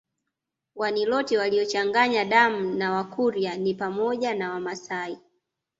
Waniloti waliochanganya damu na Wakurya ni pamoja na Wamasai